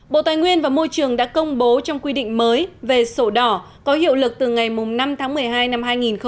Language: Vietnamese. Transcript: bộ tài nguyên và môi trường đã công bố trong quy định mới về sổ đỏ có hiệu lực từ ngày năm tháng một mươi hai năm hai nghìn một mươi chín